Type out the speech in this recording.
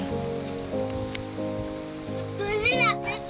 มีปู่แล้วจ้ะ